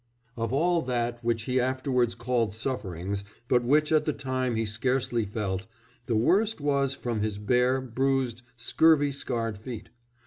"Of all that which he afterwards called sufferings, but which at the time he scarcely felt, the worst was from his bare, bruised, scurvy scarred feet.